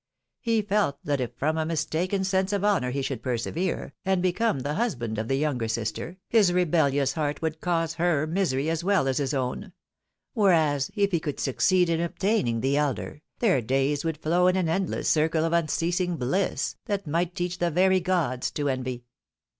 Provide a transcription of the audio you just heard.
He felt that if from a mistaken sense of honour he should persevere, and become the husband of the younger sister, his rebellious heart would cause lier misery, as well as his own ; whereas if he could succeed in obtaining the elder, their days would flow in an endless circle of unceasing bliss, that might teach the very gods to envy